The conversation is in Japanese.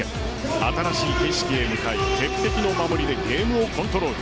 新しい景色へ向かい鉄壁の守りでゲームをコントロール。